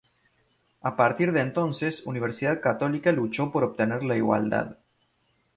A partir de entonces, Universidad Católica luchó por obtener la igualdad.